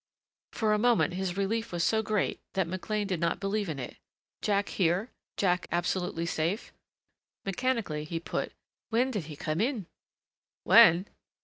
For a moment his relief was so great that McLean did not believe in it. Jack here Jack absolutely safe Mechanically he put, "When did he come in?" "When?"